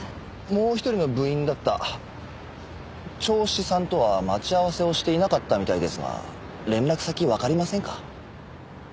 もう一人の部員だった銚子さんとは待ち合わせをしていなかったみたいですが連絡先わかりませんか？